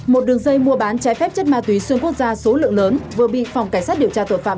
một đường dây mua bán trái phép chất ma túy xuyên quốc gia số lượng lớn vừa bị phòng cảnh sát điều tra tội phạm